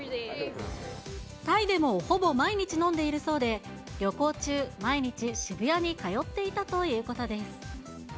タイでもほぼ毎日飲んでいるそうで、旅行中、毎日、渋谷に通っていたということです。